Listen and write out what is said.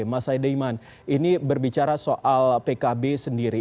pak saideiman ini berbicara soal pkb sendiri